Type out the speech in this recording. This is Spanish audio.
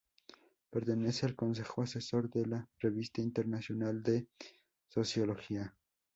Pertenece al Consejo asesor de la "Revista Internacional de Sociología".